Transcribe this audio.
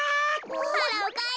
あらおかえり。